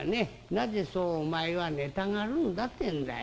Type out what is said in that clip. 『なぜそうお前は寝たがるんだ』ってんだよ。